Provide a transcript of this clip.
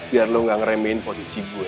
biar lo gak ngeremin posisi gue